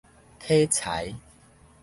體裁